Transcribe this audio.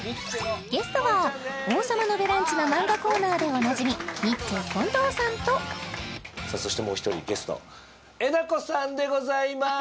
ゲストは「王様のブランチ」のマンガコーナーでおなじみニッチェ近藤さんとさあそしてもう一人ゲストえなこさんでございまーす！